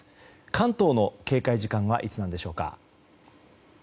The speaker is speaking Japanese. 関東の警戒時間はいつなんでしょうか。